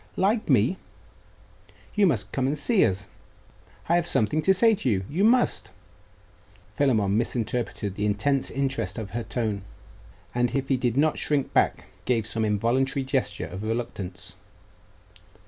'Like me! you must come and see us. I have something to say to you .... You must!' Philammon misinterpreted the intense interest of her tone, and if he did not shrink back, gave some involuntary gesture of reluctance.